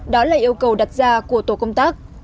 đó là yêu cầu đặt ra